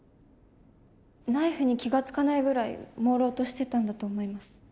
ナイフに気が付かないぐらいもうろうとしてたんだと思います。